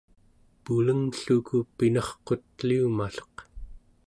pulenglluku pinarqut'liumalleq